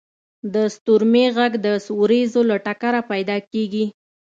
• د ستورمې ږغ د ورېځو له ټکره پیدا کېږي.